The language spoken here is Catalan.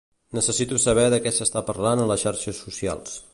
Necessito saber de què s'està parlant a les xarxes socials.